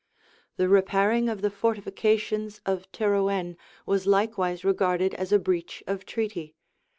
[] The repairing of the fortifications of Terouenne was likewise regarded as a breach of treaty.